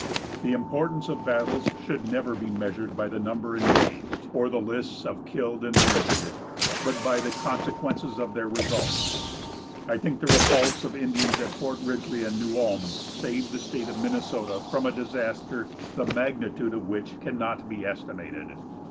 The importance of battles should never be measured by the number engaged, or the lists of killed and wounded, but by the consequences of their results. I think the repulse of the Indians at Fort Ridgely and New Ulm saved the State of Minnesota from a disaster the magnitude of which cannot be estimated.